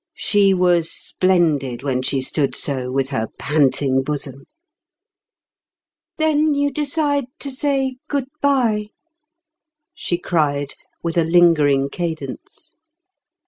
She was splendid when she stood so with her panting bosom. "Then you decide to say goodbye?" she cried, with a lingering cadence.